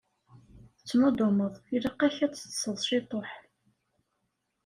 Tettnuddumeḍ, ilaq-ak ad teṭṭseḍ ciṭuḥ.